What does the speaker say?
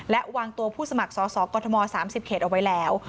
และวางตัวผู้สมัครสอสอกรทม๓๐เขตเอาไว้แล้ว